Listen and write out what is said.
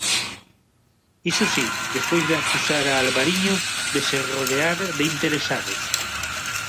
Iso si, despois de acusar a Alvariño de se rodear de 'interesados'.